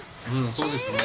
そうですね。